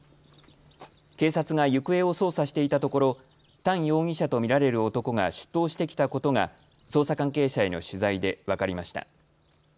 警察が行方を捜査していたところ唐容疑者と見られる男が出頭してきたことが捜査関係者への取材で分かりました。